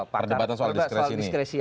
perdebatan soal diskresi ini